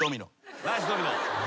ナイスドミノ。